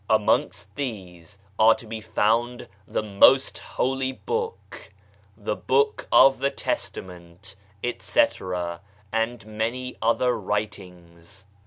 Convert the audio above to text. Amongst these are to be found The Most Holy Book, The Book of the Testament, etc., and many other "writings.